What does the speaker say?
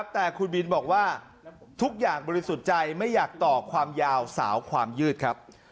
แต่คุณบินบอกว่าทุกอย่างบริสุทธิ์ใจไม่อยากต่อความยาวสาวความยืดครับ